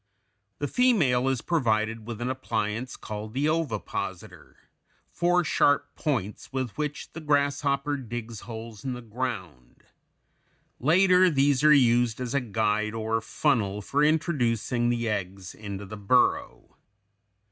The female is provided with an appliance called the ovipositor, four sharp points with which the grasshopper digs holes in the ground; later these are used as a guide or funnel for introducing the eggs into the burrow.